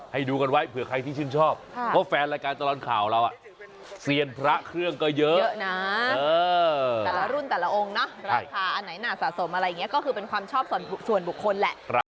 ให้ดูกันไว้เผื่อใครที่ชื่นชอบเพราะแฟนรายการตลอดข่าวเราเซียนพระเครื่องก็เยอะนะแต่ละรุ่นแต่ละองค์นะราคาอันไหนน่าสะสมอะไรอย่างนี้ก็คือเป็นความชอบส่วนบุคคลแหละ